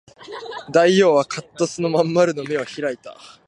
大王はかっとその真ん丸の眼を開いた